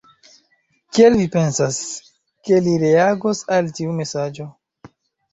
Kiel vi pensas, ke li reagos al tiu mesaĝo?